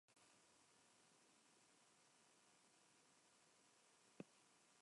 Toma su nombre del pueblo de Tarna junto al cual se sitúa.